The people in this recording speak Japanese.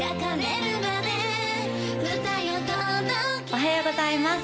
おはようございます